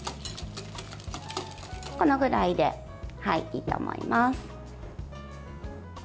このぐらいでいいと思います。